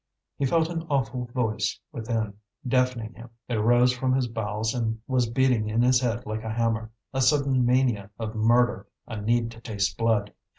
He felt an awful voice within, deafening him. It arose from his bowels and was beating in his head like a hammer, a sudden mania of murder, a need to taste blood.